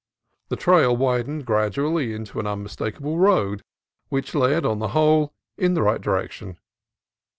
The trail widened gradually into an unmistakable road, which led, on the whole, in the right direction.